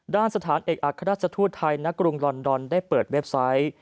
ด้านสถานเอกอัครราชทูตไทยณกรุงลอนดอนได้เปิดเว็บไซต์